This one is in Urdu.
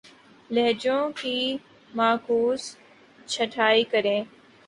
لہجوں کی معکوس چھٹائی کریں